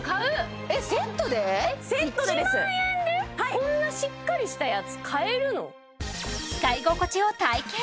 こんなしっかりしたやつ買えるの？